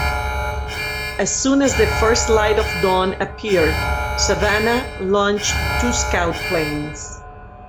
As soon as the first light of dawn appeared, "Savannah" launched two scout planes.